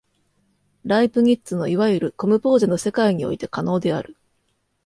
ライプニッツのいわゆるコムポーゼの世界において可能である。